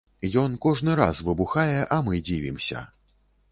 Ён кожны раз выбухае, а мы дзівімся.